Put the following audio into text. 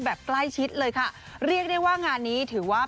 แบบใกล้ชิดเลยค่ะเรียกได้ว่างานนี้ถือว่า